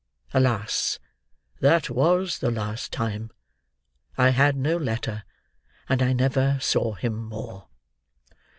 Alas! That was the last time. I had no letter, and I never saw him more."